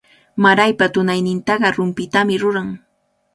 Maraypa tunaynintaqa rumpitami ruran.